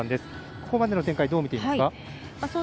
ここまでの展開どう見ていますか？